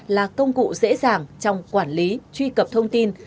là công cụ dễ dàng trong quản lý truy cập thông tin